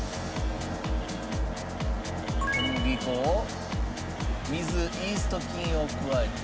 小麦粉を水イースト菌を加えて。